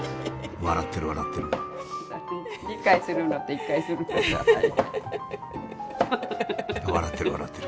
笑ってる笑ってる。